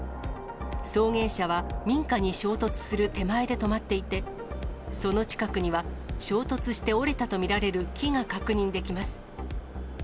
送迎車は民家に衝突する手前で止まっていて、その近くには、衝突して折れたと見られる木が確認できます。